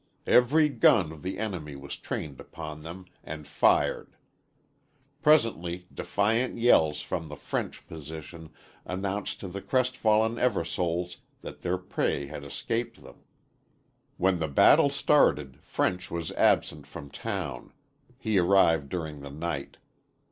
Every gun of the enemy was trained upon them, and fired. Presently defiant yells from the French position announced to the crestfallen Eversoles that their prey had escaped them. When the battle started French was absent from town. He arrived during the night.